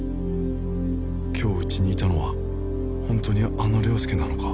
今日うちにいたのはホントにあの良介なのか？